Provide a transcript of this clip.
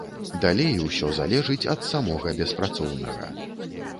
Далей ўсё залежыць ад самога беспрацоўнага.